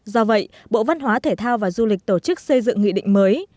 do vậy bộ văn hóa thể thao và du lịch tổ chức xây dựng nghị định mới